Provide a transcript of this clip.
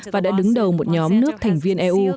và đã đứng đầu một nhóm nước thành viên eu